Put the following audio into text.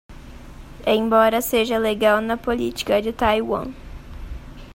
Embora seja legal na política de Taiwan